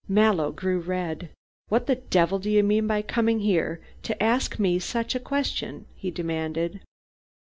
Mallow grew red. "What the devil do you mean by coming here to ask me such a question?" he demanded.